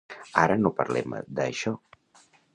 Ara no parlem d’això.